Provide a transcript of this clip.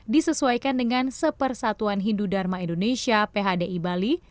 disesuaikan dengan sepersatuan hindu dharma indonesia phdi bali